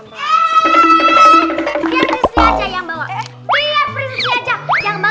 biar rizli aja yang bawa